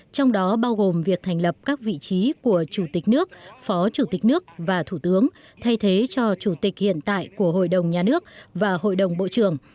trong đó bao gồm việc thành lập các vị trí của chủ tịch nước phó chủ tịch nước và thủ tướng thay thế cho chủ tịch hiện tại của hội đồng nhà nước và hội đồng bộ trưởng